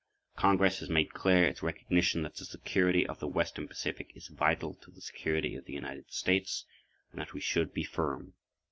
Congress has made clear its recognition that the security of the western Pacific is vital to the security of the United States and that we should be firm.